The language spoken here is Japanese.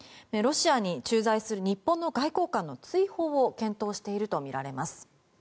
ロシアに駐在する日本の外交官の追放を検討しているとみられます。